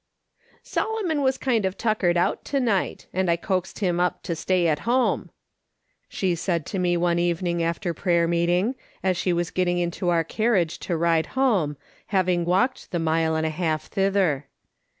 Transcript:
" Solomon was kind of tuckered out to night, and I coaxed him up to stay at home," she said to me one evening after prayer meeting, as she was getting into our carriage to ride home, having walked the mile and a half thither.